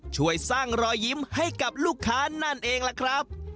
ช่วยสร้างรอยยิ้มให้กับลูกค้านั่นเองล่ะครับ